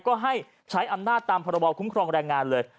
ก็ให้ใช้อำนาจตามพรบคุ้มครองแรงงานเลย